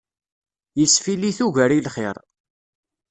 Yesfillit ugar i lxir.